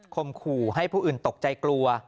มขู่ให้ผู้อื่นตกใจกลัว